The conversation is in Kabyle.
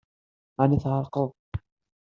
Ɛni tɛerqeḍ?